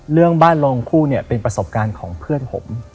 เรื่องบ้านโรงคู่เนี่ยเป็นประสบการณ์ของเพื่อนผม